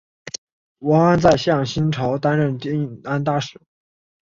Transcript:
王向在新朝担任安定大尹。